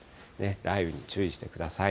雷雨に注意してください。